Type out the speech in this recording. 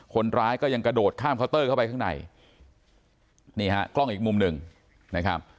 คนร้ายก็ยังกระโดดข้ามเคาน์เตอร์เข้าไปข้างในนี่ฮะกล้องอีกมุมหนึ่งนะครับ